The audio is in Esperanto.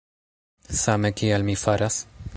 Same kiel mi faras?